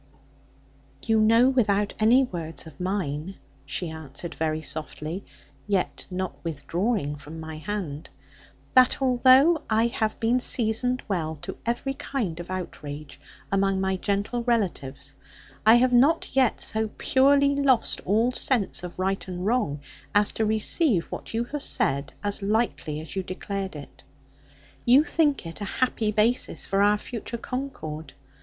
'You know, without any words of mine,' she answered very softly, yet not withdrawing from my hand, 'that although I have been seasoned well to every kind of outrage, among my gentle relatives, I have not yet so purely lost all sense of right and wrong as to receive what you have said, as lightly as you declared it. You think it a happy basis for our future concord.